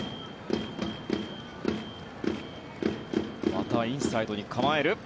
またインサイドに構える。